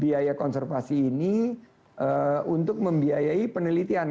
biaya konservasi ini untuk membiayai penelitian